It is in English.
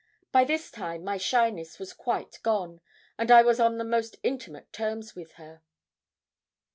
By this time my shyness was quite gone, and I was on the most intimate terms with her.